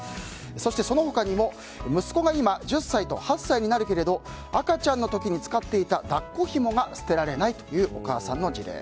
そして、その他にも息子が今１０歳と８歳になるけれど赤ちゃんの時に使っていた抱っこひもが捨てられないというお母さんの事例。